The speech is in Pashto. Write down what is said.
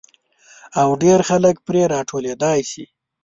او ډېر خلک پرې را ټولېدای شي.